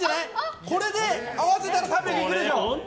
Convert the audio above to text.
これで合わせたら３００行くでしょ。